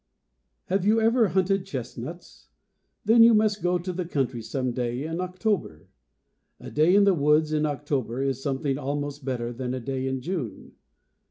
You have never hunted chestnuts? Then you must go to the country some day in October. A day in the woods in October is something almost better than a day in June.